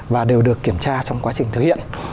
và đều được kiểm tra trong quá trình thực hiện